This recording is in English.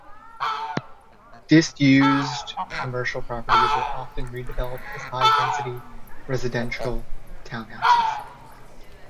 Disused commercial properties are often redeveloped as high density residential townhouses.